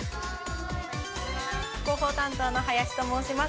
広報担当の林と申します。